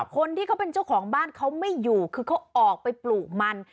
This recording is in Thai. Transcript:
คนที่เขาเป็นเจ้าของบ้านเขาไม่อยู่คือเขาออกไปปลูกมัน